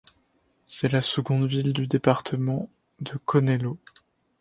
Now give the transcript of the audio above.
C'est la seconde ville du département de Conhelo.